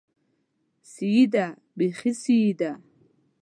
سيي ده، بېخي سيي ده!